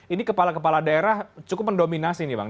ini kepala kepala daerah cukup mendominasi nih bang